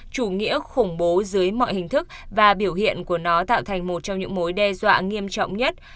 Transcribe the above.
chủ nghĩa khủng bố dưới mọi hình thức và biểu hiện của nó tạo thành một trong những mối đe dọa nghiêm trọng nhất